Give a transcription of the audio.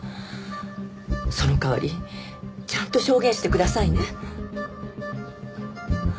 その代わりちゃんと証言してくださいね。